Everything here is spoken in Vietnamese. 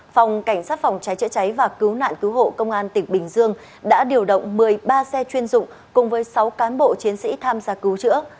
phòng cảnh sát phòng cháy chữa cháy và cứu nạn cứu hộ công an tỉnh bình dương đã điều động một mươi ba xe chuyên dụng cùng với sáu cán bộ chiến sĩ tham gia cứu chữa